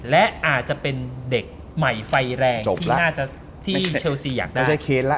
และอาจจะเป็นเด็กใหม่ไฟแรงที่เชลสีอยากได้